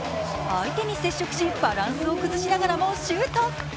相手に接触し、バランスを崩しながらもシュート。